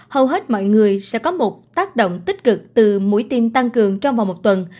hầu hết mọi người sẽ có một tác động tích cực từ mũi tiêm tăng cường trong vòng một tuần